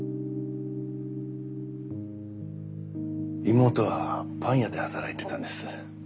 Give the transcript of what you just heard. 妹はパン屋で働いてたんです。